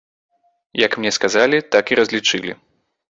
Як мне сказалі, так і разлічылі.